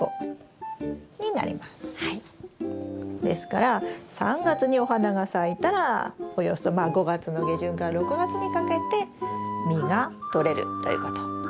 ですから３月にお花が咲いたらおよそまあ５月の下旬から６月にかけて実がとれるということ。